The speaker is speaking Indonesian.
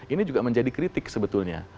ini juga menjadi kritik sebetulnya